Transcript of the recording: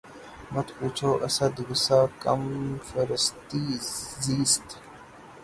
مت پوچھ اسد! غصۂ کم فرصتیِ زیست